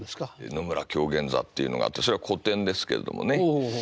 「野村狂言座」っていうのがあってそれは古典ですけれどもね。